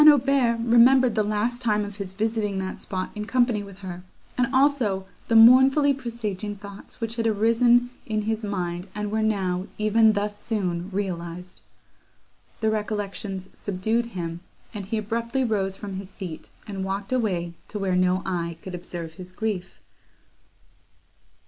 Aubert remembered the last time of his visiting that spot in company with her, and also the mournfully presaging thoughts which had then arisen in his mind, and were now, even thus soon, realised! The recollections subdued him, and he abruptly rose from his seat, and walked away to where no eye could observe his grief.